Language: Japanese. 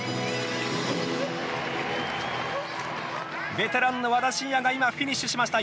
ベテランの和田伸也が今、フィニッシュしました。